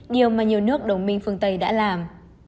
điều mà nhiều nước đồng minh phương tây đã làm